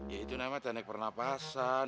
ya itu namanya teknik pernapasan